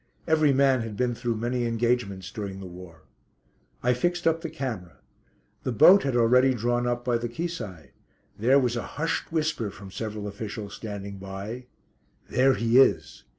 Every man had been through many engagements during the war. I fixed up the camera. The boat had already drawn up by the quay side. There was a hushed whisper from several officials standing by: "There he is."